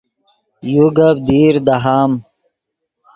یو گپ دیر دہام